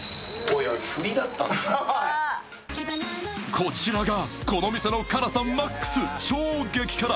こちらがこの店の辛さマックス、超激辛。